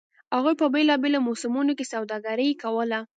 هغوی په بېلابېلو موسمونو کې سوداګري کوله